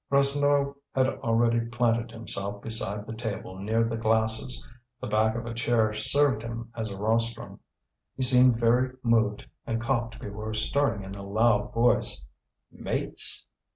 Rasseneur had already planted himself beside the table near the glasses. The back of a chair served him as a rostrum. He seemed very moved, and coughed before starting in a loud voice: "Mates!"